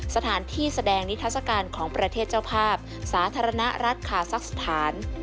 สถานที่แสดงนิทัศกาลของประเทศเจ้าภาพสาธารณรัฐคาซักสถาน